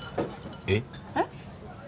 えっ？えっ？